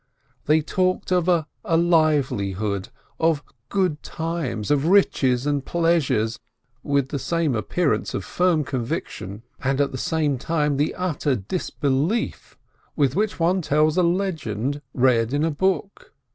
They talked of a livelihood, of good times, of riches and pleasures, with the same appearance of firm conviction, and, at the same time the utter disbelief, with which one tells a legend read in a book.